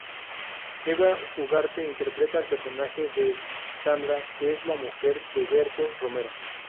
Eva Ugarte interpreta el personaje de "Sandra", que es la mujer de Berto Romero.